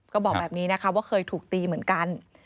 ก็บอกแบบนี้นะคะว่าเคยถูกตีเหมือนกัน